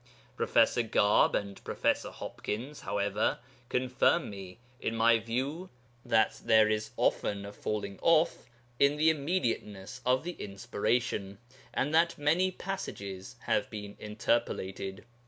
Prof. Garbe and Prof. Hopkins, however, confirm me in my view that there is often a falling off in the immediateness of the inspiration, and that many passages have been interpolated.